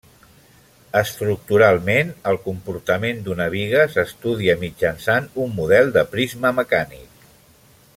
Estructuralment el comportament d'una biga s'estudia mitjançant un model de prisma mecànic.